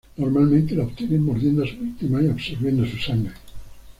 Normalmente la obtienen mordiendo a su víctima y absorbiendo su sangre.